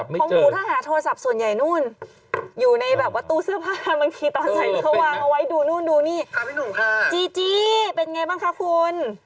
จี้จี้เป็นไงบ้างคะคุณ